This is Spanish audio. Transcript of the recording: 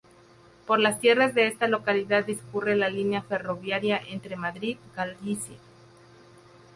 Por las tierras de esta localidad discurre la línea ferroviaria entre Madrid-Galicia.